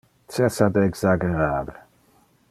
Cessa de exaggerar.